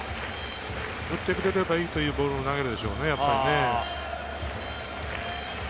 打ってくれればいいというボールを投げるでしょうね、やっぱりね。